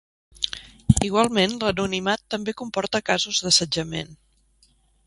Igualment, l'anonimat també comporta casos d'assetjament.